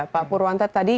pak purwanta tadi